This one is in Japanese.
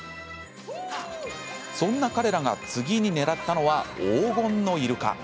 そんな彼らが次に狙ったのは黄金のイルカ。